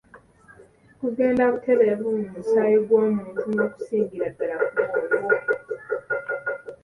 Gugenda butereevu mu musaayi gw'omuntu n'okusingira ddala ku bwongo.